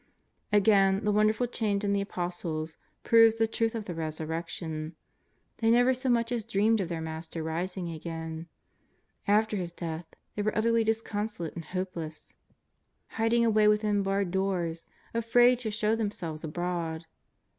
Again, the wonderful change in the Apostles proves the truth of the Resurrection. They never so much as dreamed of their Master rising again. After His death they were utterly disconsolate and hopeless, hid 390 JESUS OF NAZAEETII. ing away within barred doors, afraid to show them selves abroad.